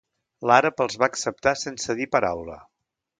L'àrab els va acceptar sense dir paraula.